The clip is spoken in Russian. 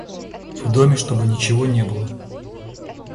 В доме чтобы ничего не было.